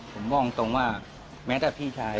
ผมบอกตรงว่าแม้แต่พี่ชาย